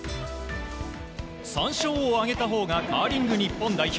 ３勝を挙げたほうがカーリング日本代表。